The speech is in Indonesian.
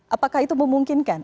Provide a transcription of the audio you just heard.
apakah itu memungkinkan